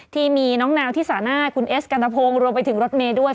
ที่มีน้องนาวที่สาหน้าคุณเอสกัณฑพงศ์รวมไปถึงรถเมย์ด้วย